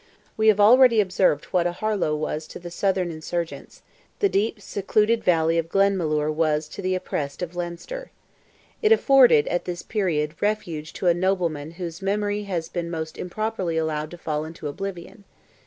We have already observed that what Aharlow was to the southern insurgents, the deep, secluded valley of Glenmalure was to the oppressed of Leinster. It afforded, at this period, refuge to a nobleman whose memory has been most improperly allowed to fall into oblivion.